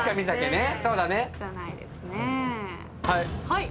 はい！